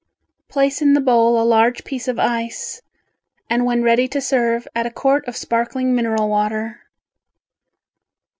Place in the bowl a large piece of ice, and when ready to serve add a quart of sparkling mineral water.